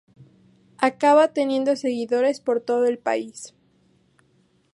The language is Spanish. Acaba teniendo seguidores por todo el país.